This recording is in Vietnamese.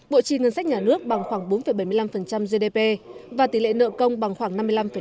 bộ trì ngân sách nhà nước bằng khoảng bốn bảy mươi năm gdp và tỷ lệ nợ công bằng khoảng năm mươi năm